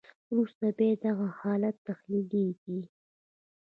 وروسته بیا دغه حالت تحلیلیږي.